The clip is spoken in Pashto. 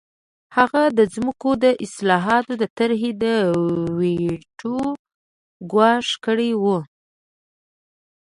هغه د ځمکو د اصلاحاتو د طرحې د ویټو ګواښ کړی و